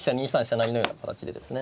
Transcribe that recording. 成のような形でですね